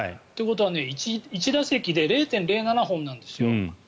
ということは１打席で０．０７本なんですよ。